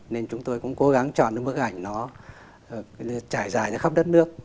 nên chúng tôi cũng cố gắng chọn những bức ảnh nó trải dài trên khắp đất nước